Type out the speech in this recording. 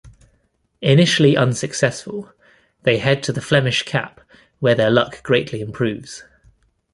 Initially unsuccessful, they head to the Flemish Cap, where their luck greatly improves.